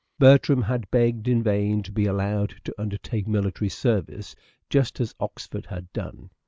Bertram had begged in vain to be allowed to undertake military service just as Oxford had done.